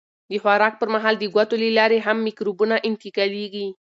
د خوراک پر مهال د ګوتو له لارې هم مکروبونه انتقالېږي.